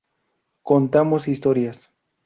Contamos historias".